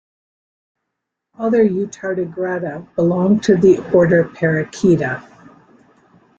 Other eutardigrades belong to the order Parachaela.